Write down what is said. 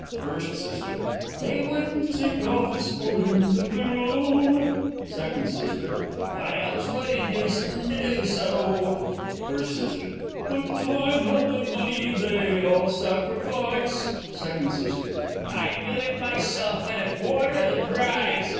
First S. They wouldn't seek office for ends of their own? Second S. What else would induce 'em to do so? First S. But Time, Health, and Money they all sacrifice. Second S. I'd do it myself at a quarter the price.